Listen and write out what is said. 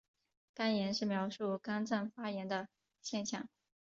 肝炎是描述肝脏发炎的现象。